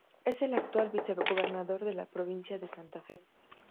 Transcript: Es el actual vicegobernador de la Provincia de Santa Fe.